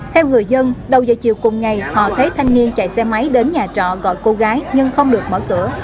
theo người dân đầu giờ chiều cùng ngày họ thấy thanh niên chạy xe máy đến nhà trọ gọi cô gái nhưng không được mở cửa